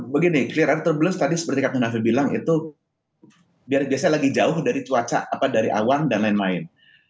begini clear air turbulensi tadi seperti kak nunafe bilang itu biar biasanya lagi jauh dari awan dan lain lain